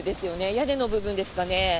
屋根の部分ですかね。